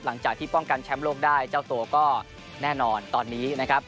หลังจากที่ป้องกันแชมป์โลกได้เจ้าตัวก็แน่นอนตอนนี้นะครับ